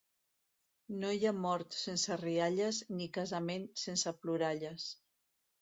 No hi ha mort sense rialles ni casament sense ploralles.